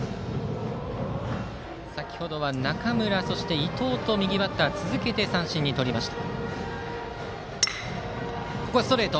先程は中村、そして伊藤と右バッターを続けて三振に取りました。